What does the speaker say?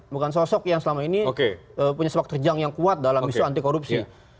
bukan sosok yang selama ini punya sepak terjang yang kuat dalam isu anti korupsi